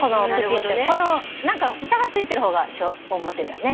この何か房がついてる方が表だね。